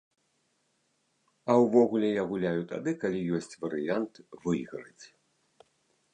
А ўвогуле я гуляю тады, калі ёсць варыянт выйграць.